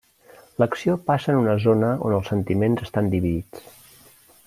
L'acció passa en una zona on els sentiments estan dividits.